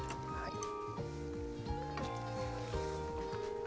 はい。